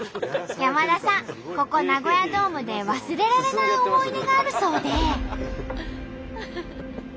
山田さんここナゴヤドームで忘れられない思い出があるそうで。